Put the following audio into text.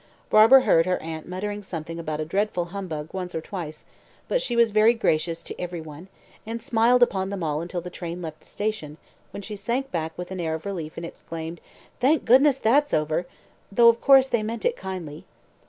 Barbara heard her aunt muttering something about a "dreadful humbug" once or twice, but she was very gracious to every one, and smiled upon them all until the train left the station, when she sank back with an air of relief and exclaimed, "Thank goodness! That's over though, of course, they meant it kindly."